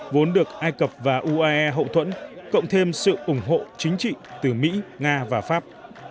vốn được ai cập và uae hậu thuẫn cộng thêm sự ủng hộ chính trị từ mỹ nga và pháp